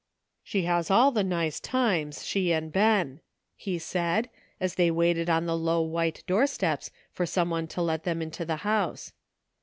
283 "She has all the nice times, she and Ben," he said, as they waited on the low white door steps for some one to let them into the house.